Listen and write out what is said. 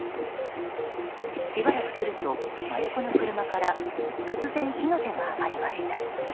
しばらくすると真横の車から突然火の手が上がりました。